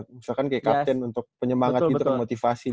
misalkan kayak kapten untuk penyemangat gitu motivasi gitu